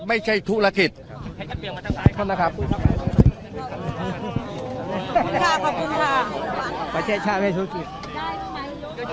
ไม่ใช่ธุรกิจขอบคุณค่ะขอบคุณค่ะประเทศชาติให้ธุรกิจ